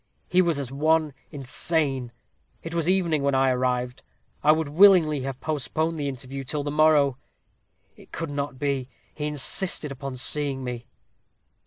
He was as one insane. It was evening when I arrived. I would willingly have postponed the interview till the morrow. It could not be. He insisted upon seeing me.